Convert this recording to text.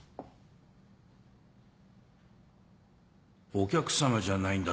お客さまじゃないんだ。